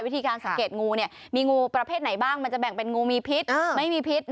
วิธีการสังเกตงูเนี่ยมีงูประเภทไหนบ้างมันจะแบ่งเป็นงูมีพิษไม่มีพิษ